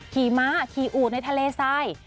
ขี่ม้าขี่อู่ในทะเลทราย